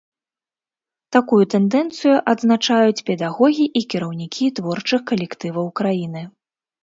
Такую тэндэнцыю адзначаюць педагогі і кіраўнікі творчых калектываў краіны.